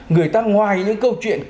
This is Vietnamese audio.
người ta ngoài những câu chuyện